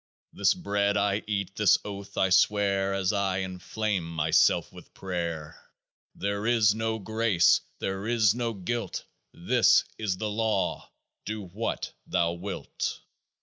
This Bread I eat. This Oath I swear As I enflame myself with prayer : 56 " There is no grace : there is no guilt : This is the Law : DO WHAT THOU WILT